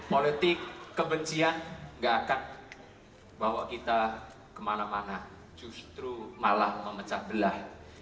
politik kebencian gak akan bawa kita kemana mana justru malah memecah belah